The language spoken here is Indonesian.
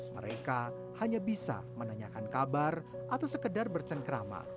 mereka hanya bisa menanyakan kabar atau sekedar bercengkrama